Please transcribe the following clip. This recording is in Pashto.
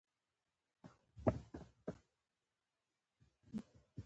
ناوې په ګاڼه ښه پسوللې وه